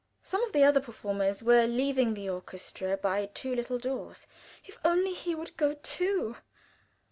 Some of the other performers were leaving the orchestra by two little doors. If only he would go too!